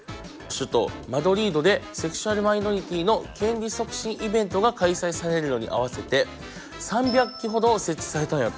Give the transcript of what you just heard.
首都マドリードでセクシャルマイノリティーの権利促進イベントが開催されるのに合わせて３００基ほど設置されたんやって。